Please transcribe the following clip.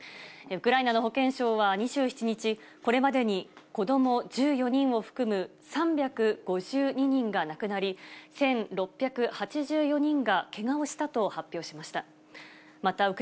ウクライナの保健省は２７日、これまでに子ども１４人を含む３５２人が亡くなり、１６８４人がけがをしたと発表しました。